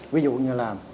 ví dụ như là